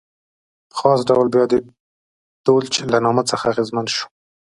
په خاص ډول بیا د دولچ له نامه څخه اغېزمن شو.